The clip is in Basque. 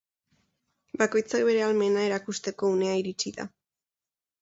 Bakoitzak bere ahalmena erakusteko unea iritsi da.